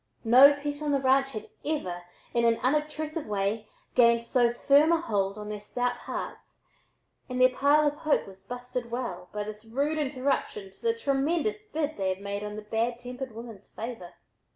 No pet on the ranch had ever, in an unobtrusive way, gained so firm a hold on their stout hearts and "their pile of hope was busted well" by this rude interruption to the tremendous bid they had made on the bad tempered woman's favor.